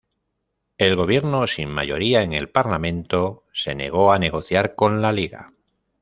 El gobierno, sin mayoría en el parlamento, se negó a negociar con la Liga.